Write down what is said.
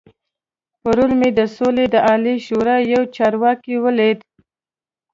پرون مې د سولې د عالي شورا يو چارواکی ولید.